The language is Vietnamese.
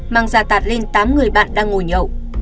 mang ra tạt lên tám người bạn đang ngồi nhậu